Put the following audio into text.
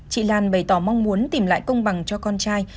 chị lan bày tỏ mong muốn tìm lại công bằng cho con trai